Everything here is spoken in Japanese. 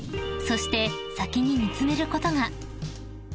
［そして先に見詰めることが］